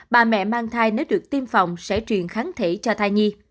bà mẹ mang thai nếu được tiêm phòng sẽ truyền kháng thể cho thai nhi